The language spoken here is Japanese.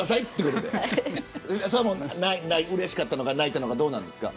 それはうれしかったのか泣いたのか、どうですか。